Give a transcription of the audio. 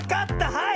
はい！